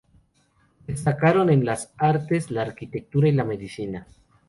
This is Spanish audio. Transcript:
Destacaron en las artes, la arquitectura y la medicina.